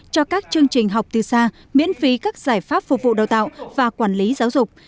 cho các chương trình học từ xa miễn phí các giải pháp phục vụ đào tạo và quản lý giáo dục